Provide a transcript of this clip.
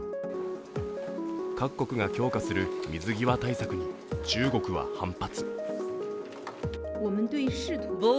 各国が強化する水際対策に中国は反発。